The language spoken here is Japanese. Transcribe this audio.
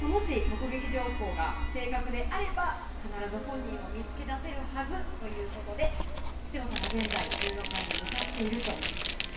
もし目撃情報が正確であれば必ず本人を見つけ出せるはずということで信五さんが現在１６階に向かっています。